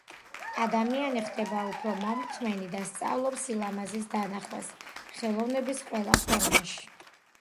ადამიანი ხდება უფრო მომთმენი და სწავლობს სილამაზის დანახვას ხელოვნების ყველა ფორმაში.